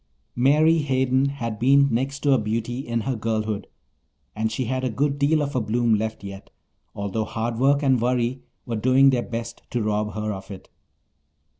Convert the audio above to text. Mary Hayden had been next to a beauty in her girlhood, and she had a good deal of her bloom left yet, although hard work and worry were doing their best to rob her of it.